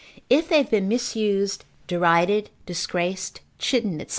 If they have been misused, derided, disgraced, chidden, &c.